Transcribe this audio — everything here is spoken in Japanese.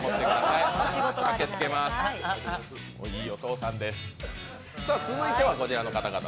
いいお父さんです。